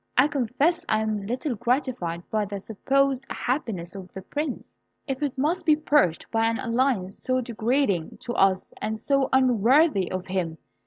I confess I am little gratified by the supposed happiness of the Prince, if it must be purchased by an alliance so degrading to us, and so unworthy of him.